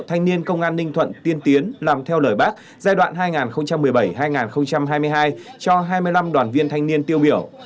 thanh niên công an ninh thuận tiên tiến làm theo lời bác giai đoạn hai nghìn một mươi bảy hai nghìn hai mươi hai cho hai mươi năm đoàn viên thanh niên tiêu biểu